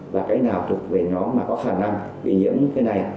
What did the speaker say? và cái nào thuộc về nó mà có khả năng bị nhiễm cái này